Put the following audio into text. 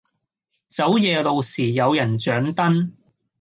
走夜路時有人掌燈